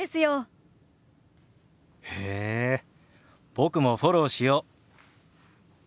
僕もフォローしよう。